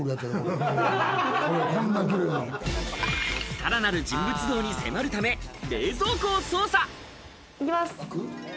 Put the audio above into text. さらなる人物像に迫るため、冷蔵庫を捜査。